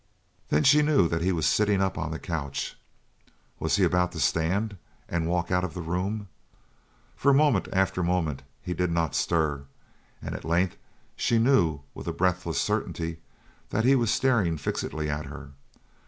Then she knew that he was sitting up on the couch. Was he about to stand up and walk out of the room? For moment after moment he did not stir; and at length she knew, with a breathless certainty, that he was staring fixedly at her!